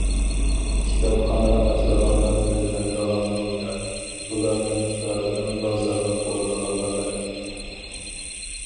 كىتابخانا ئاچىدىغانلار بىلمەمدىغاندۇ يا بۇلارنىڭ كىتابىنىڭ بازارلىق بولىدىغانلىقىنى؟ !